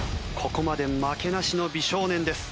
ここまで負けなしの美少年です。